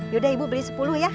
yaudah ibu beli sepuluh ya